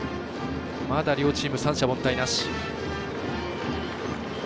まだ両チーム三者凡退なし。